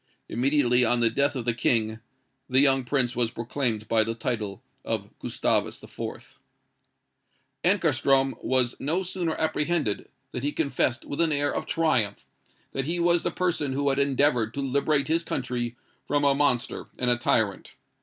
Immediately on the death of the King, the young prince was proclaimed by the title of Gustavus IV. "Ankarstrom was no sooner apprehended, than he confessed with an air of triumph, that he was the person 'who had endeavoured to liberate his country from a monster and a tyrant.'